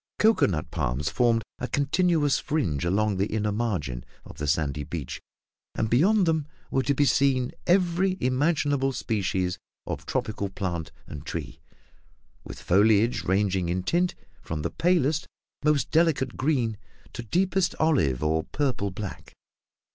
Cocoa nut palms formed a continuous fringe along the inner margin of the sandy beach; and beyond them were to be seen every imaginable species of tropical plant and tree, with foliage ranging in tint from the palest, most delicate green to deepest olive or purple black.